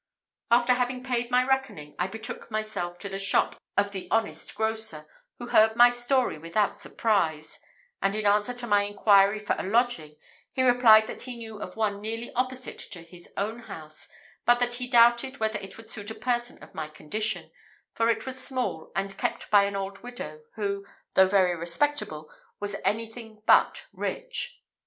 After having paid my reckoning, I betook myself to the shop of the honest grocer, who heard my story without surprise; and in answer to my inquiry for a lodging, he replied that he knew of one nearly opposite to his own house, but that he doubted whether it would suit a person of my condition, for it was small, and kept by an old widow, who, though very respectable, was anything but rich.